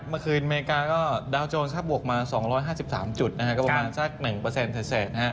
เมื่อคืนอเมริกาก็ดาวโจรถ้าบวกมา๒๕๓จุดนะฮะก็ประมาณสัก๑เศษ